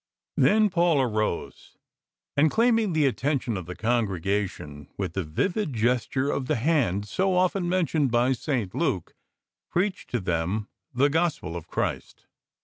Then Paul arose, and claiming the attention of the congregation vdth the vivid gesture of the hand so often mentioned by St. Luke, preached to them the Gospel of Christ.